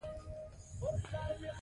وخت مدیریت کړئ.